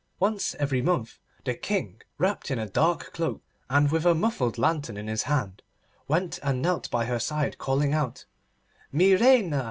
Once every month the King, wrapped in a dark cloak and with a muffled lantern in his hand, went in and knelt by her side calling out, 'Mi reina!